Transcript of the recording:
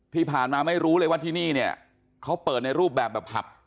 ไม่รู้เลยว่าที่นี่เนี่ยเขาเปิดในรูปแบบแบบผับ